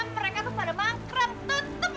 lala nggak boleh sedih